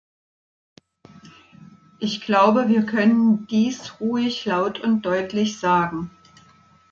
Ich glaube, wir können dies ruhig laut und deutlich sagen.